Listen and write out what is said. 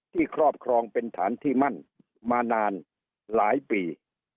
ครอบครองเป็นฐานที่มั่นมานานหลายปี